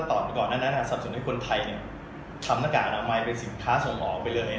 ถ้าตอนก่อนน่ะซับสุนให้คนไทยทำธุรกิจใหม่เป็นสินค้าส่งออกไปเลย